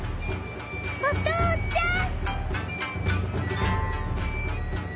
お父ちゃん！